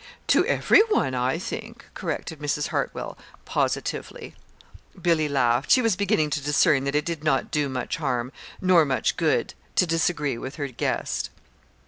"To every one, I think," corrected Mrs. Hartwell, positively. Billy laughed. She was beginning to discern that it did not do much harm nor much good to disagree with her guest.